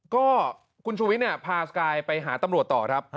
ก็คุณชูวิทย์พาสกายไปหาตำรวจต่อครับ